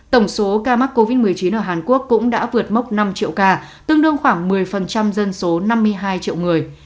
tổng số ca mắc covid một mươi chín ở hàn quốc cũng đã vượt mốc năm triệu ca tương đương khoảng một mươi dân số năm mươi hai triệu người